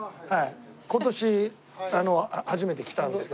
今年初めて来たんですけど。